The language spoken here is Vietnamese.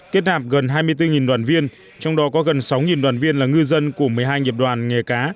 kết hạp gần hai mươi bốn đoàn viên trong đó có gần sáu đoàn viên là ngư dân của một mươi hai nghiệp đoàn nghề cá